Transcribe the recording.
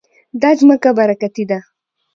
دا ځمکه برکتي ده.